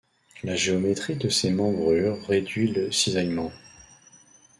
La géométrie de ses membrures réduit le cisaillement.